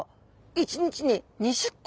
１日に２０個！？